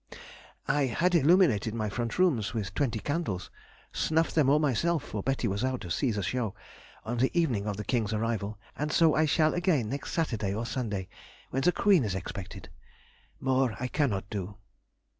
I had illuminated my front rooms with twenty candles (snuffed them all myself, for Betty was out to see the show) on the evening of the King's arrival, and so I shall again next Saturday or Sunday, when the Queen is expected. More I cannot do!...